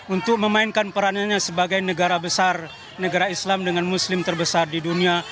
untuk memainkan perannya sebagai negara besar negara islam dengan muslim terbesar di dunia